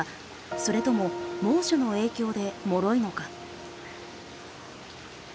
それとも猛暑の影響でもろいのか。